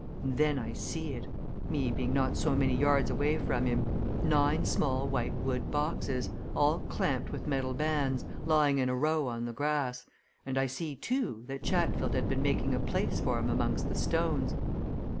And then I see me being not so many yards away from him nine small white wood boxes, all clamped with metal bands, lying in a row on the grass, and I see, too, that Chatfield had been making a place for 'em amongst the stones.